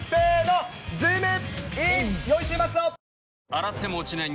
洗っても落ちない